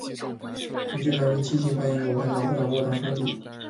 你就拿瓶七喜欢迎我，还拿不拿我当兄弟